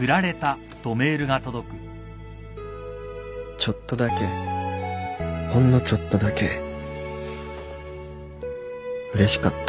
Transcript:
ちょっとだけほんのちょっとだけうれしかった